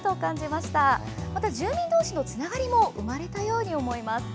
また住民同士のつながりも生まれたように思います。